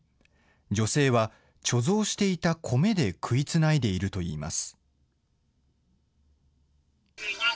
女性は貯蔵していたコメで食いつないでいるといいます。